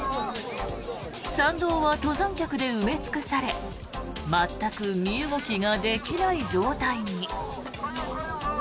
山道は登山客で埋め尽くされ全く身動きができない状態に。